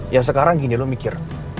ya sekarang gini lo mikir